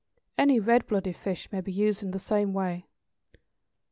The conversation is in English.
(Any red blooded fish may be used in the same way.)